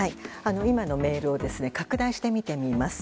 今のメールを拡大して見てみます。